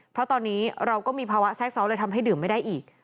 เพราะตอนนี้เราก็มีภาวะแทรกซ้อนเลยทำให้ดื่มไม่ได้อีก